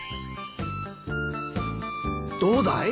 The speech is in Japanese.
どうだい？